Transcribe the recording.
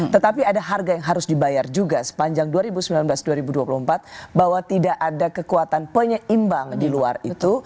tetapi ada harga yang harus dibayar juga sepanjang dua ribu sembilan belas dua ribu dua puluh empat bahwa tidak ada kekuatan penyeimbang di luar itu